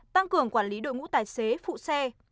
tăng cường quản lý đội ngũ tài xế phụ xe